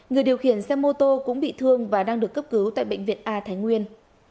người điều khiển xe mô tô cũng bị thương và đang được cấp cứu tại bệnh viện a thái nguyên